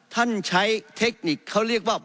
ท่านใช้เทคนิคเขาเรียกว่า